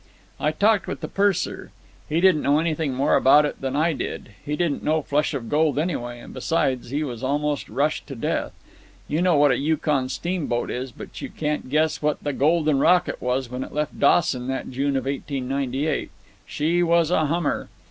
"I talked with the purser. He didn't know anything more about it than I did; he didn't know Flush of Gold, anyway, and besides, he was almost rushed to death. You know what a Yukon steamboat is, but you can't guess what the Golden Rocket was when it left Dawson that June of 1898. She was a hummer.